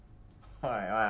おいおい